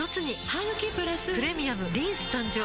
ハグキプラス「プレミアムリンス」誕生